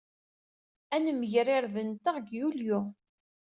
Ad nemger irden-nteɣ deg Yulyu.